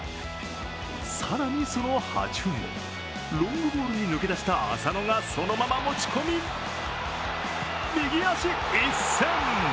更に、その８分後、ロングボールに抜け出した浅野がそのまま持ち込み右足いっせん。